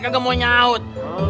gak mau nyaut